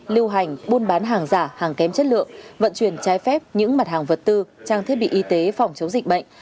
lưu hành buôn bán hàng giả hàng kém chất lượng vận chuyển trái phép những mặt hàng vật tư trang thiết bị y tế phòng chống dịch bệnh